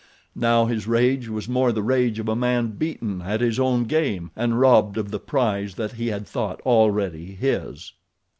Now his rage was more the rage of a man beaten at his own game and robbed of the prize that he had thought already his.